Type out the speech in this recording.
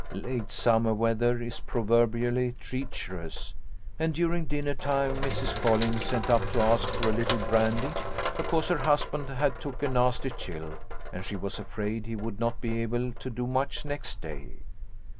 Late summer weather is proverbially treacherous, and during dinner time Mrs Collins sent up to ask for a little brandy, because her husband had took a nasty chill and she was afraid he would not be able to do much next day.